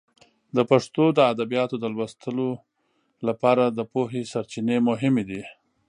د پښتو د ادبیاتو د لوستلو لپاره د پوهې سرچینې مهمې دي.